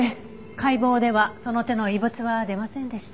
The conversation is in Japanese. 解剖ではその手の異物は出ませんでした。